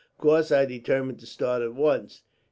Of course, I determined to start at once.